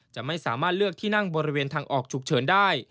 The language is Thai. จะไม่สามารถเลือกที่นั่งบริเวณทางออกฉุกเฉินได้